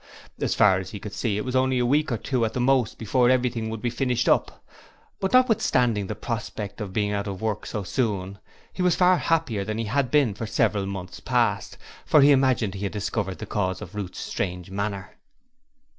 As far as he could see it was only a week or two at the most before everything would be finished up. But notwithstanding the prospect of being out of work so soon he was far happier than he had been for several months past, for he imagined he had discovered the cause of Ruth's strange manner.